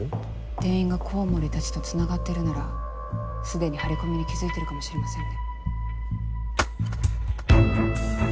店員がコウモリたちとつながってるならすでに張り込みに気付いてるかもしれませんね。